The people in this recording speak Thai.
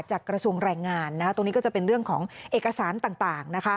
กระทรวงแรงงานตรงนี้ก็จะเป็นเรื่องของเอกสารต่าง